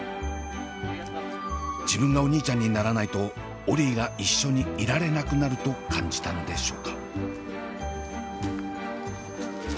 自分がお兄ちゃんにならないとオリィが一緒にいられなくなると感じたのでしょうか。